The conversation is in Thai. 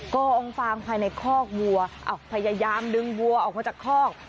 กองฟางภายในคอกวัวพยายามดึงวัวออกมาจากคอก